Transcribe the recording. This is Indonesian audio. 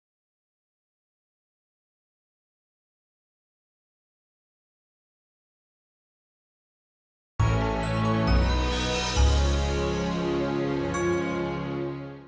ya aku pindah